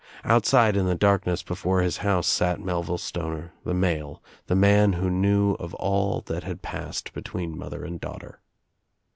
Outside in the darkness before his house sat Melville Stoner, the male, the man who knew of all that had passed between mother and daughter.